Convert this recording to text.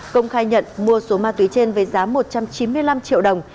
công khai nhận mua số ma túy trên với giá một trăm chín mươi năm triệu đồng